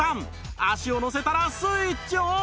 足を乗せたらスイッチオン！